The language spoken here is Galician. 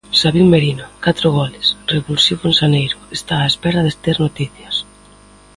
Sabin Merino, catro goles, revulsivo en xaneiro, está á espera de ter noticias.